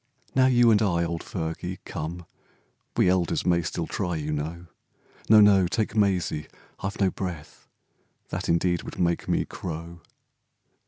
Now you and I, old Fergie, come, We elders may still try, you know, No, no ! take Mysie, I've no breath, That indeed would make me crow